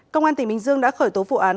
công an tỉnh bình dương đã khởi tố vụ án